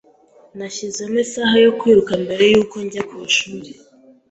Nashyizemo isaha yo kwiruka mbere yuko njya ku ishuri.